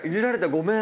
ごめん。